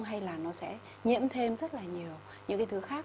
hay là nó sẽ nhiễm thêm rất là nhiều những cái thứ khác